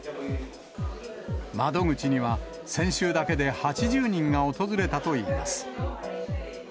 窓口には、先週だけで８０人が訪れたといいます。